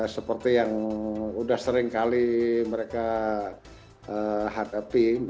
seperti yang udah sering kali mereka hadapi